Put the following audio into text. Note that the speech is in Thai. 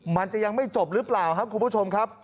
มันจะยังไม่จบหรือเปล่าครับคุณผู้ชมครับ